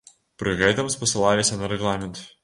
Пры гэтым спасылаліся на рэгламент.